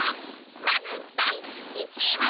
［まず第１位は？］